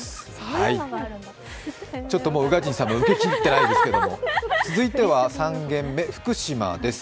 宇賀神さんも受けきってないですけど、続いては３件目、福島です。